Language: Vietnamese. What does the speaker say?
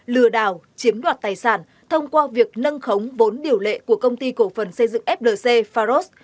lừa đảo chiếm đoạt tài sản thông qua việc nâng khống vốn điều lệ của công ty cổ phần xây dựng flc pharos